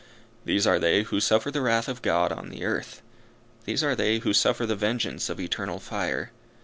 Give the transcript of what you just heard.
These are they who suffer the wrath of God on the earth. These are they who suffer the vengeance of eternal fire.